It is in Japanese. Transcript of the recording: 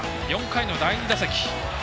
４回の第２打席。